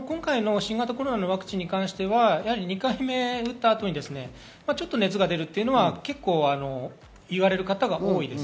今回のワクチンに関しては、２回目打った後に熱が出るというのは結構、言われる方が多いです。